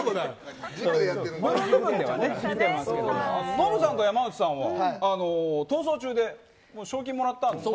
ノブさんと山内さんは「逃走中」で賞金もらったんですか？